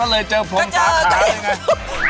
ก็เลยเจอพรมสาขายังไง